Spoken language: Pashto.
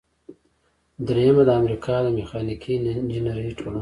دریمه د امریکا د میخانیکي انجینری ټولنه وه.